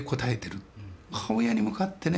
母親に向かってね